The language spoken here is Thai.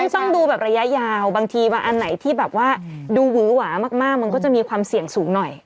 ต้องดูระยะยาวบางอะไหนที่ดูหวามากมันก็จะมีความเสี่ยงสูงหน่อย